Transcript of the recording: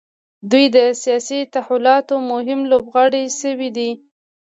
دوی د سیاسي تحولاتو مهم لوبغاړي شوي دي.